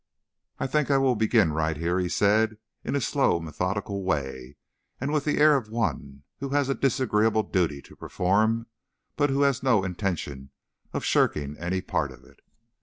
"I think I will begin right here," he said, in a slow, methodical way, and with the air of one who has a disagreeable duty to perform, but who has no intention of shirking any part of it.